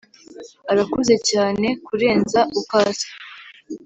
arakuze cyane kurenza uko asa